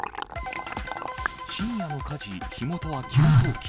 深夜の火事、火元は給湯器。